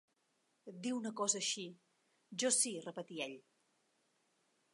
"Dir una cosa així!" "Jo sí", repetí ell.